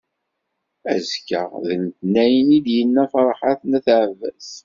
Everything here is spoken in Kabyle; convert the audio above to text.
Azekka d letnayen i d-yenna Ferḥat n At Ɛebbas.